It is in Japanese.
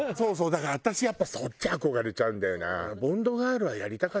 だから私やっぱそっち憧れちゃうんだよな。